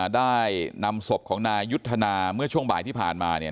ได้นำศพของนายยุทธนาเมื่อช่วงบ่ายที่ผ่านมาเนี่ย